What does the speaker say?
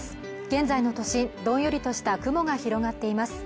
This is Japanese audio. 現在の都心どんよりとした雲が広がっています